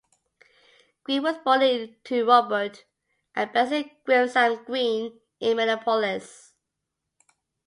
Green was born to Robert and Bessie Grissam Green in Minneapolis.